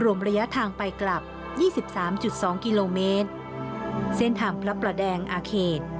ระยะทางไปกลับยี่สิบสามจุดสองกิโลเมตรเส้นทางพระประแดงอาเขต